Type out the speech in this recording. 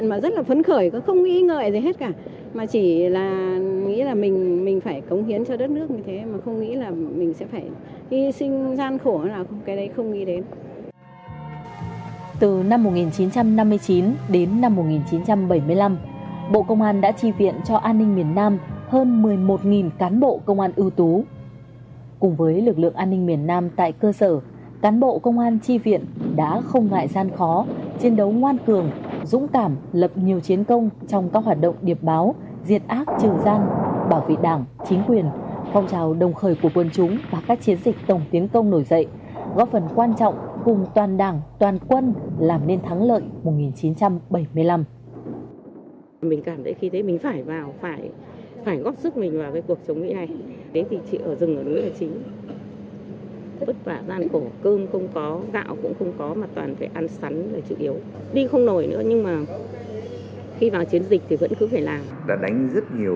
nhiều chiến công trong các hoạt động điệp báo diệt ác trừ gian bảo vệ đảng chính quyền phong trào đồng khởi của quân chúng và các chiến dịch tổng tiến công nổi dậy góp phần quan trọng cùng toàn đảng toàn quân làm nên thắng lợi một nghìn chín trăm bảy mươi năm